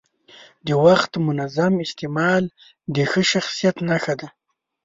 د وخت منظم استعمال د ښه شخصیت نښه ده.